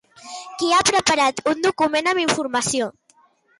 Qui ha preparat un document amb informació?